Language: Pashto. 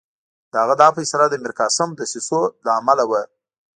د هغه دا فیصله د میرقاسم دسیسو له امله وه.